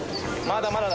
まだまだ？